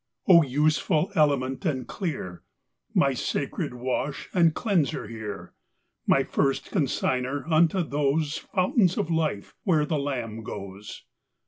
O useful element and clear! ?vly sacred wash and cleanser here; My first consigner unto those Fountains of life where the Lamb goes!